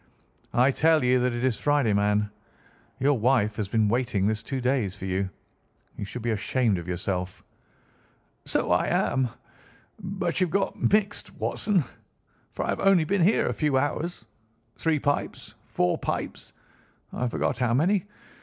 "I tell you that it is Friday, man. Your wife has been waiting this two days for you. You should be ashamed of yourself!" "So I am. But you've got mixed, Watson, for I have only been here a few hours, three pipes, four pipes—I forget how many.